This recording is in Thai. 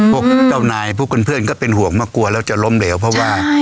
พวกเจ้านายพวกเพื่อนก็เป็นห่วงมากลัวแล้วจะล้มเหลวเพราะว่า